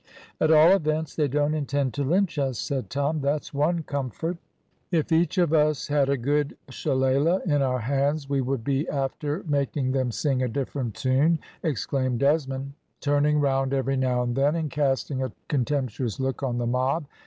"At all events they don't intend to lynch us," said Tom. "That's one comfort." "If each of us had a good shillelah in our hands, we would be after making them sing a different tune," exclaimed Desmond, turning round every now and then, and casting a contemptuous look on the mob.